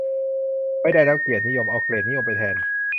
ไม่ได้แล้วเกียรตินิยม เอาเกรดนิยมไปแทน